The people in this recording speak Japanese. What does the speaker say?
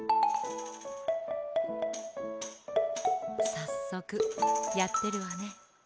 さっそくやってるわね。